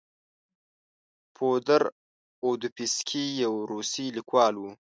فودور اودویفسکي یو روسي لیکوال و.